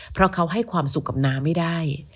เพราะเขาให้ความสุขกับน้าไม่ได้